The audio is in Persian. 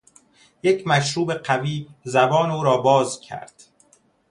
یک مشروب قوی زبان او را باز کرد.